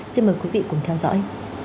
xin mời quý vị cùng theo dõi